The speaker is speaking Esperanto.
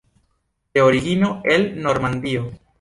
De origino el Normandio.